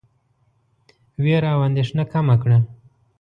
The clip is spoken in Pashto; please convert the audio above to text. وېره او اندېښنه کمه کړه.